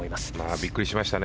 びっくりしましたね。